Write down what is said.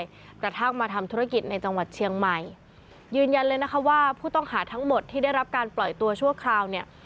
กระทั่งมาทำธุรกิจในจังหวัดเชียงใหม่ยืนยันเลยนะคะว่าผู้ต้องหาทั้งหมดที่ได้รับการปล่อยตัวชั่วคราวเนี่ย